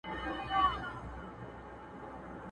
ورسره به وي ټولۍ د شیطانانو،